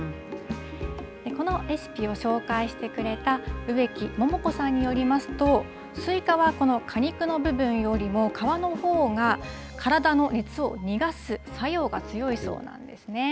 このレシピを紹介してくれた植木もも子さんによりますと、すいかは、この果肉の部分よりも皮のほうが、体の熱を逃がす作用が強いそうなんですね。